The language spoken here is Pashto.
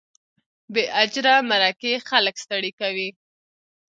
بې اجره مرکې خلک ستړي کوي.